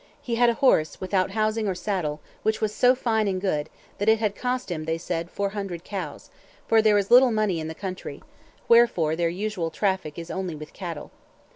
He had a horse, without housing or saddle, which was so fine and good, that it had cost him, they said, four hundred cows; for there is little money in the country, wherefore their usual traffic is only with cattle.